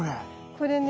これね